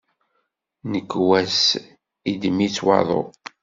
Nnekwa-s iddem-itt waḍu.